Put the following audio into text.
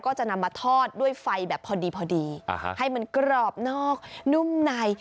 ก็จะนำมาทอดด้วยไฟแบบพอดีพอดีให้มันกรอบนอกนุ่มใน